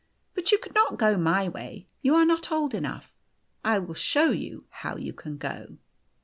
But you could not go my way; you are not old enough. I will show you how you can go."